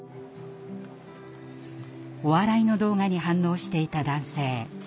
お笑いの動画に反応していた男性。